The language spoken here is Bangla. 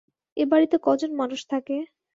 এ-বাড়িতে ক জন মানুষ থাকে?